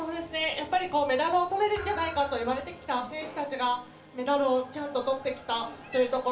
メダルをとれるんじゃないかといわれてきた選手たちがメダルをちゃんと取ってきたというところ。